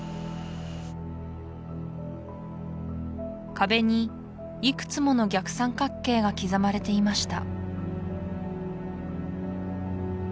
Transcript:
壁にいくつもの逆三角形が刻まれていました